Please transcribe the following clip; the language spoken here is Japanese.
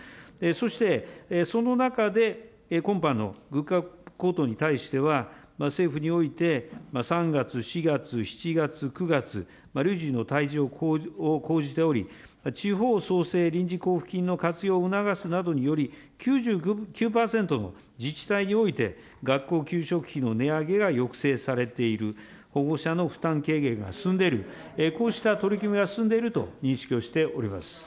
そしてその中で、今般の物価高騰に対しては、政府において３月、４月、７月、９月、累次の対応を講じており、地方創生臨時交付金の活用を促すなどにより、９９％の自治体において、学校給食費の値上げが抑制されている、保護者の負担軽減が進んでいる、こうした取り組みが進んでいると認識をしております。